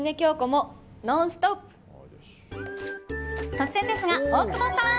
突然ですが、大久保さん。